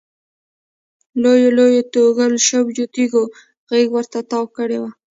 لویو لویو توږل شویو تیږو غېږ ورته تاو کړې وه.